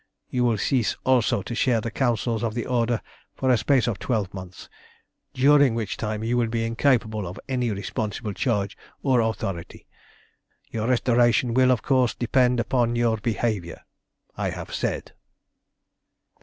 You will cease also to share the Councils of the Order for a space of twelve months, during which time you will be incapable of any responsible charge or authority. Your restoration will, of course, depend upon your behaviour. I have said."